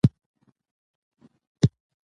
په افغانستان کې واوره په ژمي کې ډېره اوري.